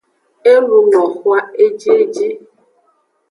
E luno xwan ejieji.